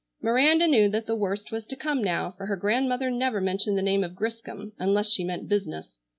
Miranda knew that the worst was to come now, for her grandmother never mentioned the name of Griscom unless she meant business.